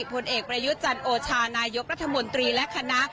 ผลเอกประยุทธ์จันโอชานายกรัฐมนตรีและคณะ